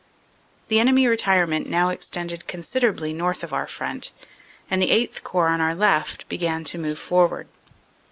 "The enemy retirement now extended considerably north of our front, and the VIII Corps on our left began to move forward.